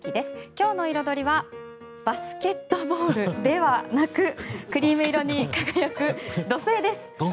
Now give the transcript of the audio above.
きょうのイロドリはバスケットボールではなくクリーム色に輝く土星です。